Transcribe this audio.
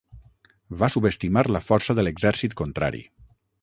Va subestimar la força de l'exèrcit contrari.